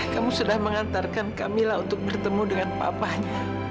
kamu sudah mengantarkan kamilah untuk bertemu dengan papanya